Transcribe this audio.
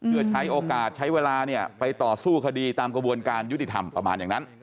เพื่อใช้โอกาสใช้เวลาเนี่ยไปต่อสู้คดีตามกระบวนการยุติธรรมประมาณอย่างนั้น